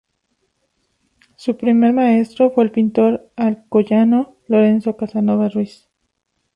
Su primer maestro fue el pintor alcoyano Lorenzo Casanova Ruiz.